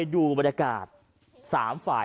ดูบรรยากาศ๓ฝ่าย